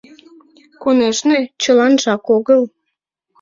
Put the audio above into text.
Конешне, чыланжак огыл.